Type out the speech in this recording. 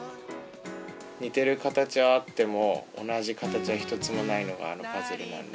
似てる形はあっても、同じ形は一つもないのがあのパズルなんで。